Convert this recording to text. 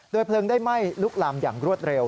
เพลิงได้ไหม้ลุกลามอย่างรวดเร็ว